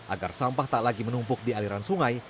agar sampah tak lagi menumpuk di aliran sungai